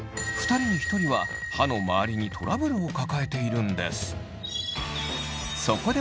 ２人に１人は歯の周りにトラブルを抱えているんです。